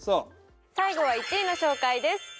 最後は１位の紹介です